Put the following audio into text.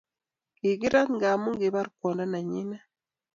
Kikirat ngamu kibar kwando ne nyinet